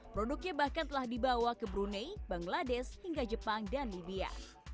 produknya bahkan telah dibawa ke brunei bangladesh hingga jepang dan libya